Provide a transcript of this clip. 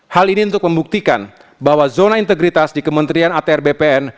hal ini untuk membuktikan bahwa zona integritas di kementerian atr bpn